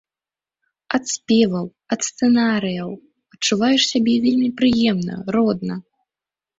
Ад спеваў, ад сцэнарыяў адчуваеш сябе вельмі прыемна, родна.